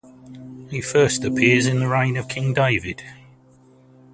He first appears in the reign of King David.